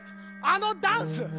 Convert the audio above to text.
あのダンス！